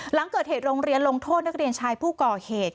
หลังเกิดเหตุโรงเรียนลงโทษนักเรียนชายผู้ก่อเหตุ